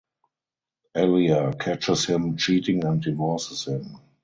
Alia catches him cheating and divorces him.